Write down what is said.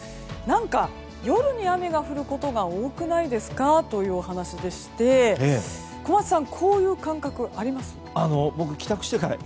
何か、夜に雨が降ることが多くないですかというお話でして、小松さんこういう感覚ありますか？